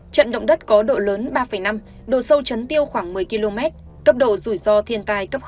trận động đất có độ lớn ba năm độ sâu chấn tiêu khoảng một mươi km cấp độ rủi ro thiên tai cấp hai